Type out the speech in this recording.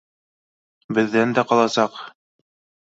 Беҙҙән дә ҡаласаҡ